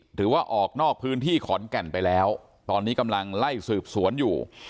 หรือว่าออกนอกพื้นที่ขอนแก่นไปแล้วตอนนี้กำลังไล่สืบสวนอยู่